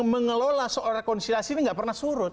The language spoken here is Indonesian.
mengelola seorang konsiliasi ini tidak pernah surut